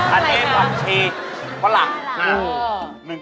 อันเนตฝักชีฝรั่ง